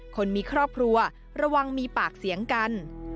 คนมีครอบครัวระวังมีปากเสียงกัน